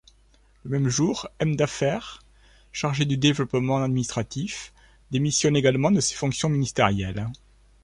Le même jour, M'dhaffer, chargé du Développement administratif, démissionne également de ses fonctions ministérielles.